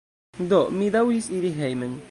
Do, mi daŭris iri hejmen.